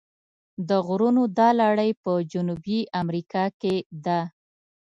د غرونو دا لړۍ په جنوبي امریکا کې ده.